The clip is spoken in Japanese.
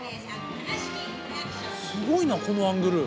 すごいなこのアングル。